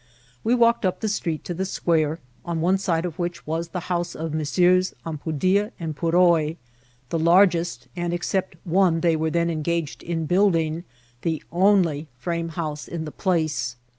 We walked up the street to the square, on one side of which was the house of Messrs. Atif{>u dia and Purroy, the largest and, except one they were then engaged in building, the only frame house in the place.